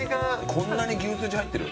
こんなに牛すじ入ってる。